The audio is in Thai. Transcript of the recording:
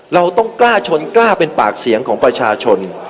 เราต้องกล้าชนกล้าเป็นปากเสียงของประชาชน